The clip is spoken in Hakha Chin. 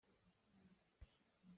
Nungak hni na hlim bal maw?